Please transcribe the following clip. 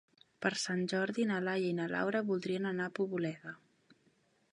Per Sant Jordi na Laia i na Laura voldrien anar a Poboleda.